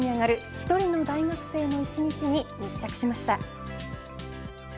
１人の大学生の１日に密着しました。